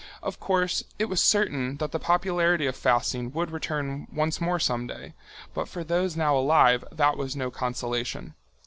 Of course, it was certain that the popularity of fasting would return once more someday, but for those now alive that was no consolation.